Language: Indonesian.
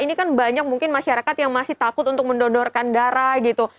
ini kan banyak mungkin masyarakat yang masih takut untuk mendonorkan darah gitu